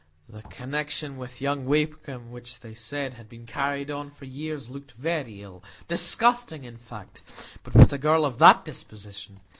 That connection with young Wakem, which, they said, had been carried on for years, looked very ill,—disgusting, in fact! But with a girl of that disposition!